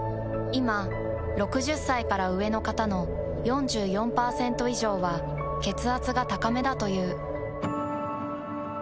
いま６０歳から上の方の４４％以上は血圧が高めだという。